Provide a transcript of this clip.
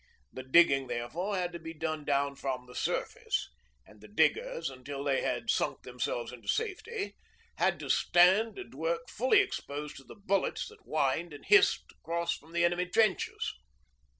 The digging therefore had to be done down from the surface, and the diggers, until they had sunk themselves into safety, had to stand and work fully exposed to the bullets that whined and hissed across from the enemy trenches.